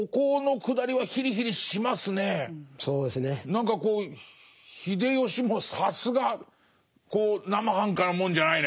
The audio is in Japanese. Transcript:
何かこう秀吉もさすがなまはんかなもんじゃないね